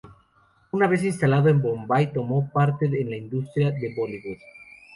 Una vez instalado en Bombay, tomó parte en la industria de Bollywood.